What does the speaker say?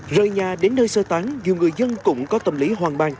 rời nhà đến nơi sơ tán dù người dân cũng có tâm lý hoang mang